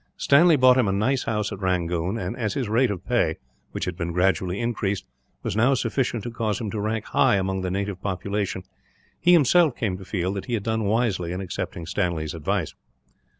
Stanley bought him a nice house at Rangoon and, as his rate of pay, which had been gradually increased, was now sufficient to cause him to rank high among the native population, he himself came to feel that he had done wisely in accepting Stanley's advice.